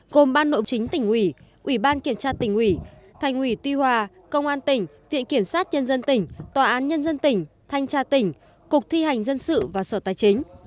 gồm ban nội chính tỉnh ủy ủy ban kiểm tra tỉnh ủy thành ủy tuy hòa công an tỉnh viện kiểm sát nhân dân tỉnh tòa án nhân dân tỉnh thanh tra tỉnh cục thi hành dân sự và sở tài chính